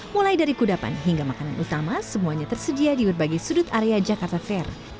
mulai dari kudapan hingga makanan utama semuanya tersedia di berbagai sudut area jakarta fair